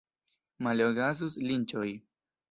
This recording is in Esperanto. Male okazus linĉoj.